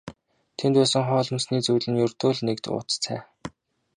Тэнд байсан хоол хүнсний зүйл нь ердөө л нэг уут цай.